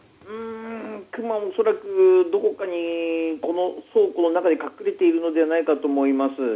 クマは恐らくどこかに倉庫の中に隠れているのではないかと思います。